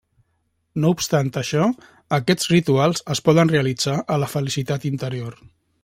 No obstant això, aquests rituals es poden realitzar a la felicitat interior.